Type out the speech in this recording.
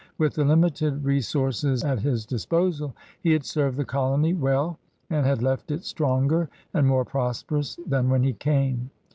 With the limited re sources at his disposal, he had served the colony well, and had left it stronger and more prosperous than when he came.